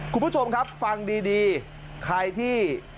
คุณผู้ชมครับฟังดีใครที่